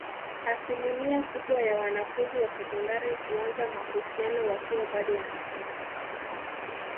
Asilimia kubwa ya wanafunzi wa sekondari huanza mahusiano wakiwa bado wanasoma